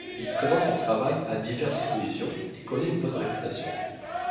Il présente son travail à diverses expositions et connait une bonne réputation.